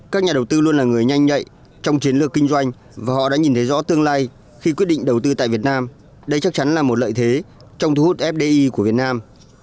các nhà đầu tư luôn là người nhanh nhạy trong chiến lược kinh doanh và họ đã nhìn thấy rõ tương lai khi quyết định đầu tư tại việt nam đây chắc chắn là một lợi thế trong thu hút fdi của việt nam